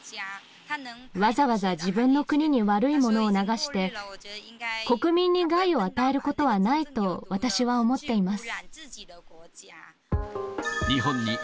わざわざ自分の国に悪いものを流して、国民に害を与えることはないと、私は思っています。